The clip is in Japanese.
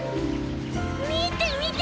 みてみて！